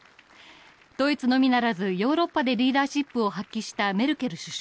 ドイツのみならず、ヨーロッパでリーダーシップを発揮したメルケル首相。